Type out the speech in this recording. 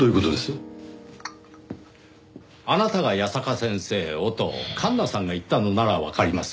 「あなたが矢坂先生を」と環那さんが言ったのならわかります。